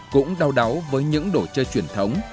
cũng đau đáu với những đồ chơi truyền thống